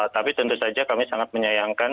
tapi tentu saja kami sangat menyayangkan